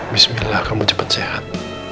bismillah kamu cepat sehat